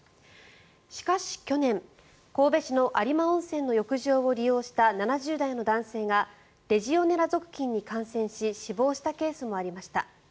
しかし去年、神戸市の有馬温泉の浴場を利用した７０代の男性がレジオネラ属菌に感染し死亡したケースもありました。